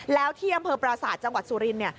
แล้วที่อำเภอประศาจังหวัดสุรินเนี่ย